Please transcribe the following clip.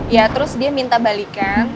ya terus dia minta balikan